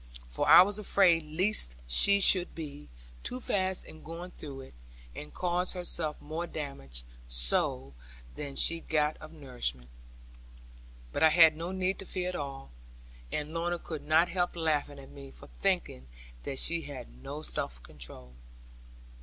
For I was afraid lest she should be too fast in going through it, and cause herself more damage so, than she got of nourishment. But I had no need to fear at all, and Lorna could not help laughing at me for thinking that she had no self control.